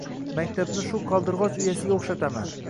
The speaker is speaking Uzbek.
Maktabni shu qaldirgʻoch uyasiga oʻxshataman.